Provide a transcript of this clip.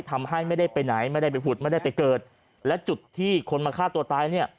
ทำให้ไม่ได้ไปไหนไม่ได้ไปผุดไม่ได้ไปเกิดและจุดที่คนมาฆ่าตัวตายเนี่ย